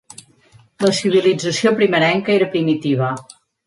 La civilització primerenca era primitiva.